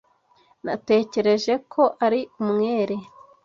Natekereje ko ari umwere.